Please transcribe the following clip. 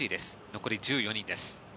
残り１４人です。